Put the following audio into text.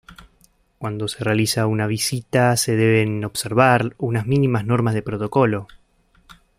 Cuando se realiza una visita se deben observar unas mínimas normas de protocolo.